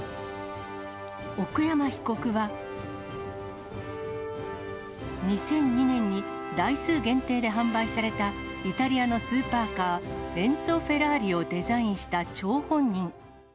奥山被告は、２００２年に台数限定で販売された、イタリアのスーパーカー、エンツォ・フェラーリをデザインした張本人。